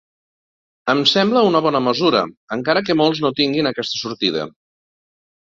Em sembla una bona mesura, encara que molts no tinguin aquesta sortida.